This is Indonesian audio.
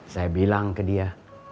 saya bilang ke dia